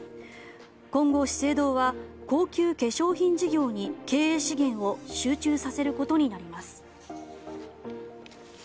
今後、資生堂は高級化粧品事業に経営資源を集中させることになります。